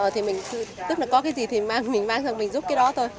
thì mình tức là có cái gì thì mình mang ra mình giúp cái đó thôi